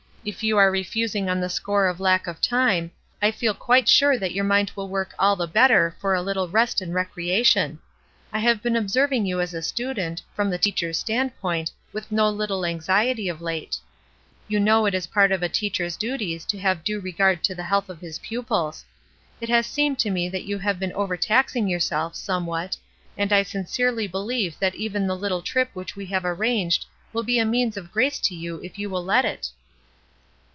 If you are re fusing on the score of lack of time, I feel quite sure that your mind will work all the better for a httle rest and recreation. I have been observing you as a student, from the teacher's standpoint, with no httle anxiety of late. You 144 ESTER RIED'S NAMESAKE know it is part of a teacher's duties to have due regard to the health of his pupils. It has seemed to me that you have been overtaxing yourself, somewhat, and I sincerely believe that even the little trip which we have arranged will be a means of grace to you if you will let it."